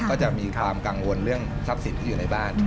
ก็จะมีความกังวลเรื่องทรัพย์สินที่อยู่ในบ้าน